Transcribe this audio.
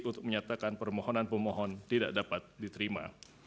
untuk menyatakan permohonan pemohon tidak dapat diterima